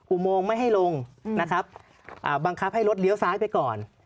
อุโมงไม่ให้ลงนะครับบังคับให้รถเลี้ยวซ้ายไปก่อน